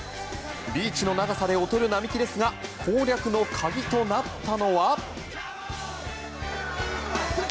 リーチの長さで劣る並木ですが攻略の鍵となったのは。